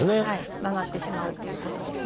曲がってしまうっていうことですね。